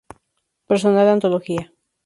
Personal antología".